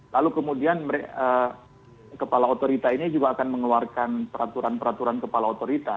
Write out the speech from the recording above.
lalu kemudian kepala otorita ini juga akan mengeluarkan peraturan peraturan kepala otorita